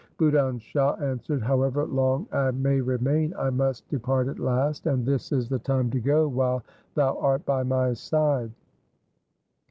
Budhan Shah answered, ' However long I may remain, I must depart at last ; and this is the time to go while thou art by my side.'